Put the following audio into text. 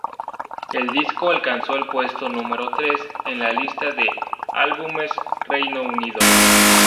El disco alcanzó el puesto número tres en la lista de álbumes Reino Unido.